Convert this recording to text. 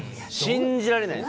信じられないです。